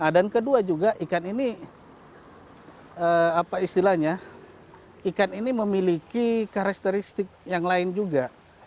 dan kedua juga ikan ini apa istilahnya ikan ini memiliki karakteristik yang lain juga